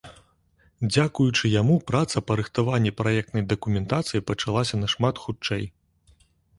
Дзякуючы яму праца па рыхтаванні праектнай дакументацыі пачалася нашмат хутчэй.